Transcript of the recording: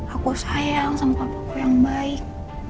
aku sayang sama papaku yang baik